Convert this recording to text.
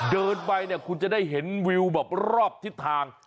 เดินไปเนี่ยคุณจะได้เห็นวิวแบบรอบทิศทาง